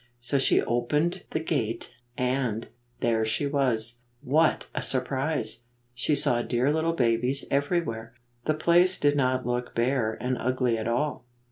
So she opened the gate, and — there she was. What a surprise ! She saw dear little babies everywhere. The place did not look bare and ugly at all.